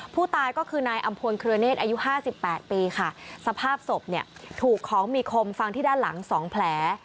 ผู้ตายก็คือนายอำภวนเครือเนสอายุ๕๘ปีค่ะสภาพศพถูกของมีคมฟังที่ด้านหลัง๒แผล